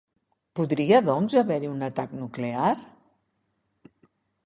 Podria, doncs, haver-hi un atac nuclear?